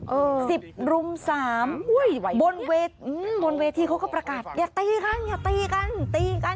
เออสิบรุมสามบนเวทีเขาก็ประกาศอย่าตีกันอย่าตีกันตีกัน